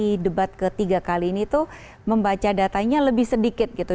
di debat ketiga kali ini tuh membaca datanya lebih sedikit gitu